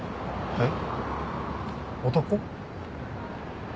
えっ。